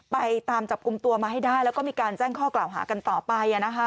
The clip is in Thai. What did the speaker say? ไปตามจับกลุ่มตัวมาให้ได้แล้วก็มีการแจ้งข้อกล่าวหากันต่อไป